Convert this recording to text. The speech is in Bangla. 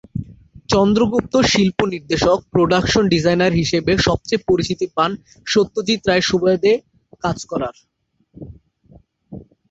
চন্দ্রগুপ্ত শিল্প নির্দেশক/ প্রোডাকশন ডিজাইনার হিসাবে সবচেয়ে পরিচিতি পান সত্যজিৎ রায়ের সঙ্গে কাজ করার সুবাদে।